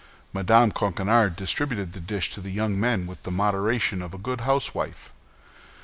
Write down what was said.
Mme. Coquenard distributed this dish to the young men with the moderation of a good housewife.